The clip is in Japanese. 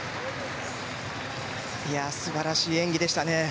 素晴らしい演技でしたね。